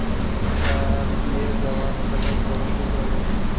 তার দিয়ে-যাওয়া খাতাটা পড়া শুরু করা জায়।